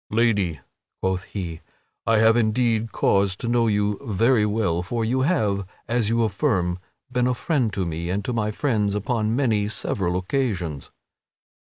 "Lady," quoth he, "I have indeed cause to know you very well, for you have, as you affirm, been a friend to me and to my friends upon many several occasions."